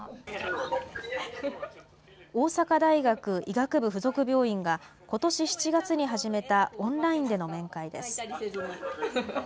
大阪大学医学部附属病院がことし７月に始めたオンラインでの面会です。